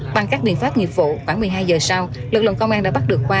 bằng các biện pháp nghiệp vụ khoảng một mươi hai giờ sau lực lượng công an đã bắt được khoa